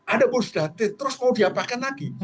ada bonus data terus mau diapakan lagi